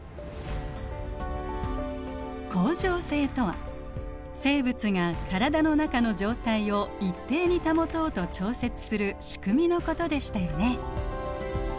恒常性とは生物が体の中の状態を一定に保とうと調節するしくみのことでしたよね。